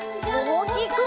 おおきく！